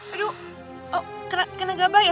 aduh kena gabah ya